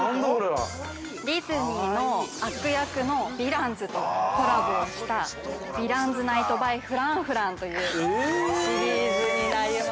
ディズニーの悪役のヴィランズとコラボをしたヴィランズナイト・バイ・フランフランというシリーズになります。